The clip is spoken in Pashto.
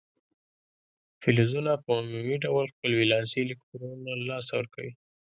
فلزونه په عمومي ډول خپل ولانسي الکترونونه له لاسه ورکوي.